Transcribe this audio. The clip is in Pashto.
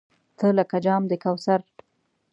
تۀ لکه جام د کوثر !